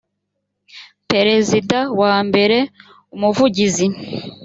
perezida wa mbere umuvugizi